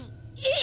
え！？